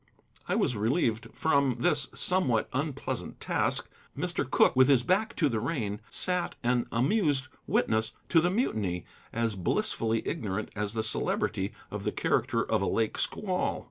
I was relieved from this somewhat unpleasant task. Mr. Cooke, with his back to the rain, sat an amused witness to the mutiny, as blissfully ignorant as the Celebrity of the character of a lake squall.